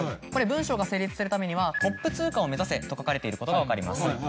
これ文章が成立するためには「トップ通過を目指せ。」と書かれていることが分かります。